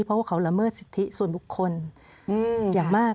เพราะว่าเขาละเมิดสิทธิส่วนบุคคลอย่างมาก